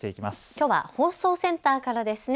きょうは放送センターからですね。